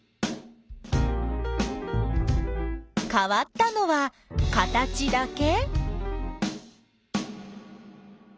かわったのは形だけ？